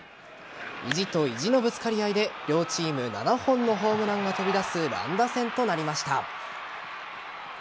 意地と意地のぶつかり合いで両チーム７本のホームランが飛び出す乱打戦となりました。